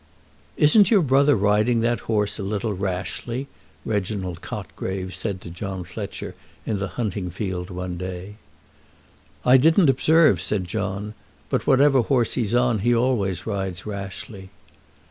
"Isn't your brother riding that horse a little rashly?" Reginald Cotgrave said to John Fletcher in the hunting field one day. "I didn't observe," said John; "but whatever horse he's on, he always rides rashly."